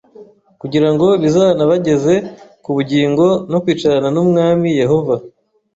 kugira ngo bizanabageze ku bugingo no kwicarana n’Umwami Yehova